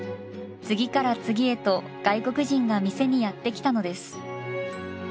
次から次へと外国人が店にやって来たのです。